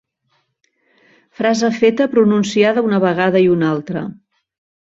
Frase feta pronunciada una vegada i una altra.